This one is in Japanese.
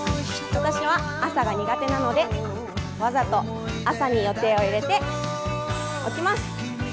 私は朝が苦手なので、わざと朝に予定を入れておきます。